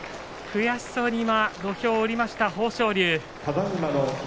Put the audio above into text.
悔しそうに土俵を下りました豊昇龍。